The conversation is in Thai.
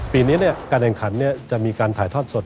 ปีนี้การแข่งขันจะมีการถ่ายทอดสด